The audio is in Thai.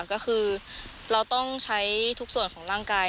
ก็คือเราต้องใช้ทุกส่วนของร่างกาย